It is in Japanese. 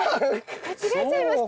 間違えちゃいました？